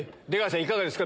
いかがですか？